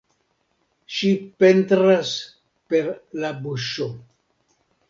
Ŝi pentras per la buŝo.